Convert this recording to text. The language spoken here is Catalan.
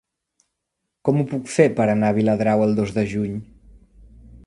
Com ho puc fer per anar a Viladrau el dos de juny?